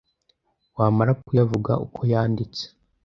wamara kuyavuga uko yanditse